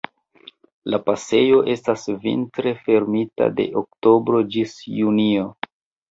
La pasejo estas vintre fermita de oktobro ĝis junio.